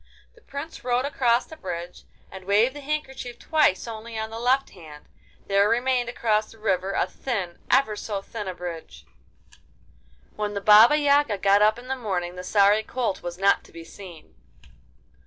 The Prince rode across the bridge and waved the handkerchief twice only on the left hand; there remained across the river a thin, ever so thin a bridge! When the Baba Yaga got up in the morning the sorry colt was not to be seen!